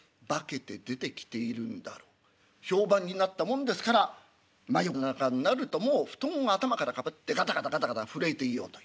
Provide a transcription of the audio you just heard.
評判になったもんですから真夜中になるともう布団を頭からかぶってガタガタガタガタ震えていようという。